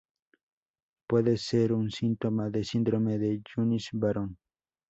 Puede ser un síntoma del síndrome de Yunis-Varón.